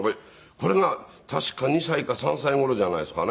これが確か２歳か３歳頃じゃないですかね。